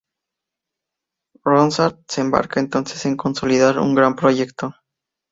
Ronsard se embarca entonces en consolidar un gran proyecto.